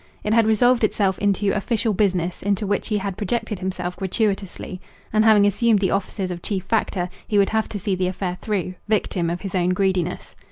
It had resolved itself into official business into which he had projected himself gratuitously; and having assumed the offices of chief factor, he would have to see the affair through, victim of his own greediness.